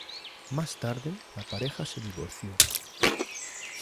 Más tarde la pareja se divorció.